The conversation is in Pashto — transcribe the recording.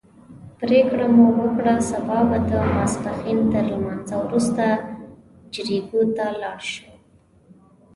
پرېکړه مو وکړه سبا به د ماسپښین تر لمانځه وروسته جریکو ته ولاړ شو.